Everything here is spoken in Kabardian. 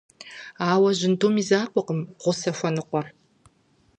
Ауэ жьындум и закъуэкъым гъусэ хуэныкъуэр.